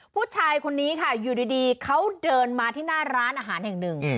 ผู้ชายคนนี้ค่ะเดินมาที่หน้าร้านอาหารหนึ่ง